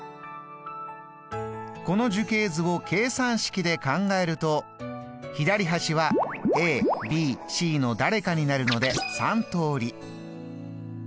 この樹形図を計算式で考えると左端はＡＢＣの誰かになるので３通り。